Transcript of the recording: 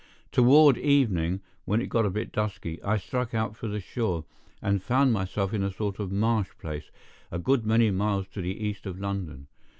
Toward evening, when it got a bit dusky, I struck out for the shore, and found myself in a sort of marsh place, a good many miles to the east of London.